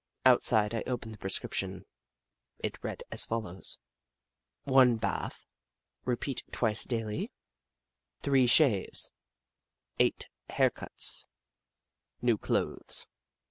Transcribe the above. Outside, I opened the prescription. It read as follows :" I bath, repeat twice daily, 3 shaves, 8 hair cuts. New clothes."